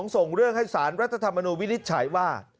ส่งเรื่องให้สารรัฐธรรมนูลวินิจฉัยว่า